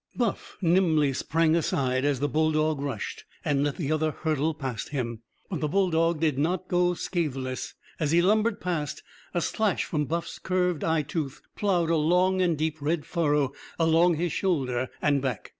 Buff nimbly sprang aside as the bulldog rushed and let the other hurtle past him. But the bulldog did not go scatheless. As he lumbered past, a slash from Buff's curved eyetooth ploughed a long and deep red furrow along his shoulder and back.